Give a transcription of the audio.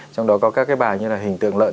trong đó có các cái bài như là hình tượng lợn